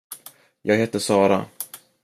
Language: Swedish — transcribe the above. Jag heter Sara.